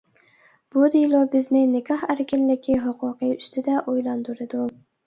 بۇ دېلو بىزنى نىكاھ ئەركىنلىكى ھوقۇقى ئۈستىدە ئويلاندۇرىدۇ.